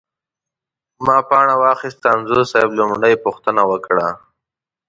ما پاڼه واخسته، انځور صاحب لومړۍ پوښتنه وکړه.